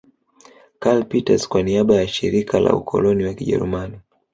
Karl Peters kwa niaba ya Shirika la Ukoloni wa Kijerumani